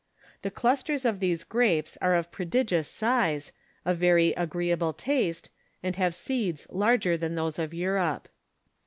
The clusters of these grapes are of prodigious size, of very agreeable taste, and have seeds larger than those of Europe.